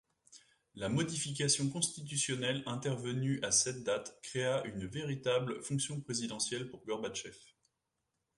La modification constitutionnelle intervenue à cette date créa une véritable fonction présidentielle pour Gorbatchev.